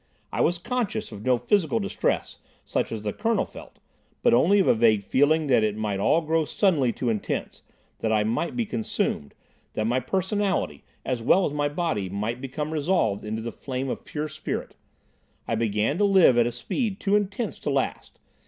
I was conscious of no physical distress, such as the Colonel felt, but only of a vague feeling that it might all grow suddenly too intense—that I might be consumed—that my personality as well as my body, might become resolved into the flame of pure spirit. I began to live at a speed too intense to last.